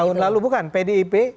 tahun lalu bukan pdip